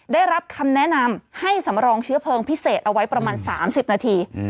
ได้รับคำแนะนำให้สำรองเชื้อเพลิงพิเศษเอาไว้ประมาณ๓๐นาที